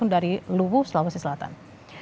dari lubu sulawesi selatan